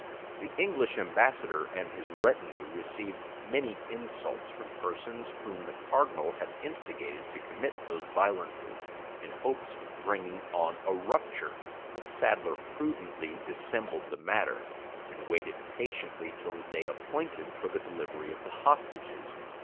The English ambassador and his retinue received many insults from persons whom the cardinal had instigated to commit those violences, in hopes of bringing on a rupture; but Sadler prudently dissembled the matter, and waited patiently till the day appointed for the delivery of the hostages.